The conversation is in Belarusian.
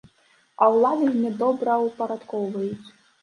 А ўлады ж не добраўпарадкоўваюць.